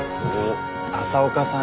朝岡さん